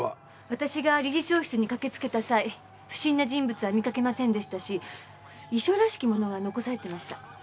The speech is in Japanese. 私が理事長室に駆けつけた際不審な人物は見かけませんでしたし遺書らしきものが残されてました。